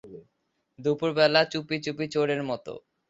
দুপুরবেলা চুপিচুপি, চোরের মতো!